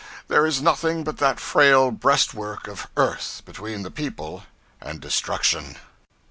There is nothing but that frail breastwork of earth between the people and destruction.